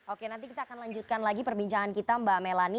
oke nanti kita akan lanjutkan lagi perbincangan kita mbak melani